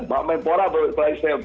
pak mempora boleh ke swayab